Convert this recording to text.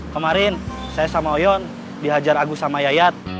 kemarin saya sama oyun di hajar sama agus verwil